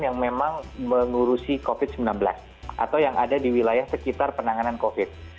yang memang mengurusi covid sembilan belas atau yang ada di wilayah sekitar penanganan covid